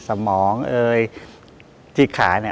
สมองที่ขา